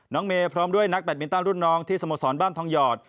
เมย์พร้อมด้วยนักแบตมินตันรุ่นน้องที่สโมสรบ้านทองหยอด